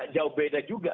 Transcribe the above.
jauh beda juga